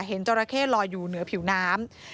จราเข้ลอยอยู่เหนือผิวน้ำ